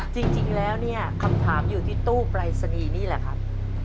จริงแล้วเนี่ยคำถามอยู่ที่ตู้ปรายศนีย์นี่แหละครับ